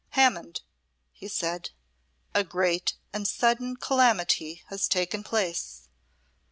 "Hammond," he said, "a great and sudden calamity has taken place.